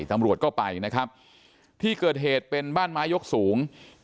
ตำรวจก็ไปนะครับที่เกิดเหตุเป็นบ้านไม้ยกสูง